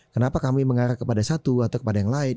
kenapa kami mengarah kepada satu atau kepada yang lain